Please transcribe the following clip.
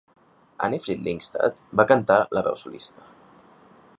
Anni-Frid Lyngstad va cantar la veu solista.